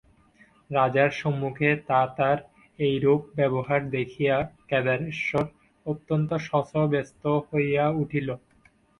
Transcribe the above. রাজার সম্মুখে তাতার এইরূপ ব্যবহার দেখিয়া কেদারেশ্বর অত্যন্ত শশব্যস্ত হইয়া উঠিল।